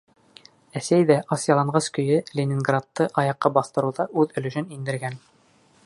Әсәй ҙә ас-яланғас көйө Ленинградты аяҡҡа баҫтырыуға үҙ өлөшөн индергән.